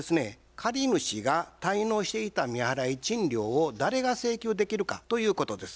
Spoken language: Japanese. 借主が滞納していた未払い賃料を誰が請求できるかということです。